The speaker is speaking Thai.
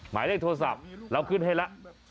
หมายเลขโทรศัพท์เราขึ้นให้ละ๐๙๒๘๙๙๕๗๑๑